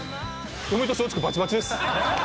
嫁と松竹バチバチです。